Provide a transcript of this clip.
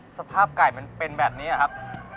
สภาพไก่มันเป็นแบบนี้ครับ